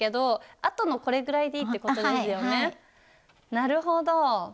なるほど！